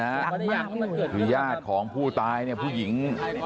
ดังมากคือญาติของผู้ตายผู้หญิง